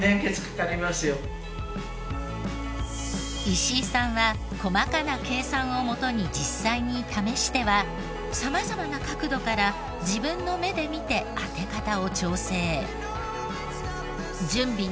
石井さんは細かな計算をもとに実際に試しては様々な角度から自分の目で見て当て方を調整。